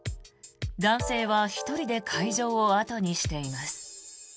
男性は１人で会場を後にしています。